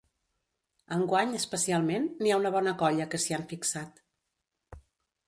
Enguany, especialment, n’hi ha una bona colla que s’hi han fixat.